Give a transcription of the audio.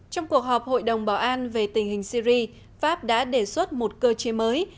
trong cuộc họp hội đồng bảo an về tình hình syri pháp đã đề xuất một cơ chế mới